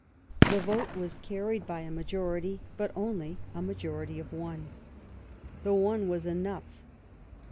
The vote was carried by a majority, but only a majority of one. The one was enough.